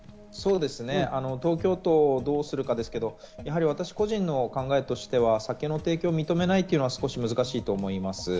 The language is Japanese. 東京都をどうするかですけど、私個人の考えとしては酒の提供を認めないというのは難しいと思います。